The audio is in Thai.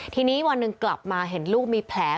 ทีนี้วันหนึ่งกลับมาเห็นลูกมีแผล